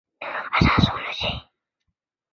现今内政部已无该单位。